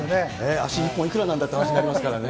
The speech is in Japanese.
脚１本、いくらなんだっていう話になりますからね。